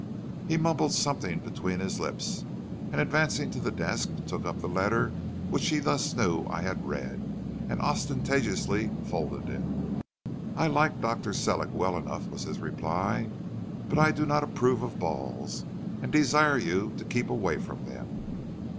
"He mumbled something between his lips, and advancing to the desk, took up the letter which he thus knew I had read, and ostentatiously folded it. "'I like Dr. Sellick well enough,' was his reply, 'but I do not approve of balls, and desire you to keep away from them.'